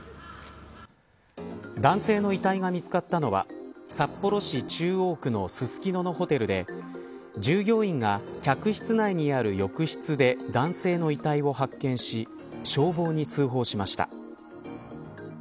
男性の遺体が見つかったのは札幌市中央区のススキノのホテルで従業員が客室内にある浴室で男性の遺体を発見し消防に通報しました。